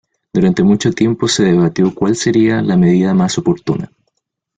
Durante mucho tiempo se debatió cuál sería la medida más oportuna.